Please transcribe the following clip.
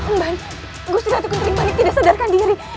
mbak gusti ratus kentering manik tidak sadarkan diri